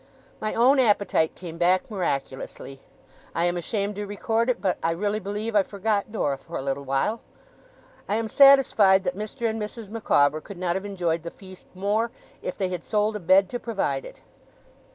My own appetite came back miraculously. I am ashamed to record it, but I really believe I forgot Dora for a little while. I am satisfied that Mr. and Mrs. Micawber could not have enjoyed the feast more, if they had sold a bed to provide it.